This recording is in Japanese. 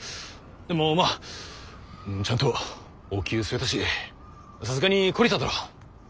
でもまあちゃんとお灸据えたしさすがに懲りただろう。